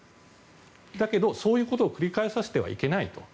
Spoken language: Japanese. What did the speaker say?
だけどそういうことを繰り返させてはいけないと。